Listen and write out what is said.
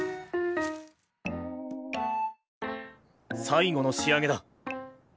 最後の仕上げだ。